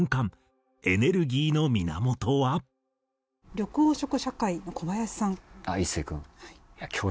緑黄色社会の小林さん。